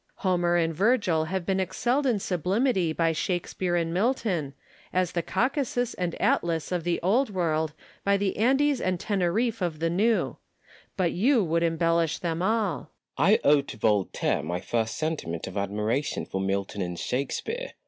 Homer and Virgil have been excelled in sublimity by I ABBE DELILLE AND WALTER LANDOR. 169 Shakespeare and Milton, as the Caucasus and Atlas of the old world by the Andes and TenerifFe of the new ; but you would embellish them all. Delille. I owe to Voltaire my first sentiment of admira tion for Milton and Shakespeare.